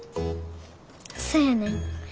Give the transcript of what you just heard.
そやねん。